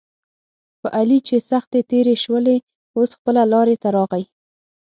په علي چې سختې تېرې شولې اوس خپله لارې ته راغی.